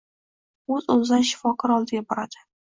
O‘z-o‘zidan shifokor oldiga boradi.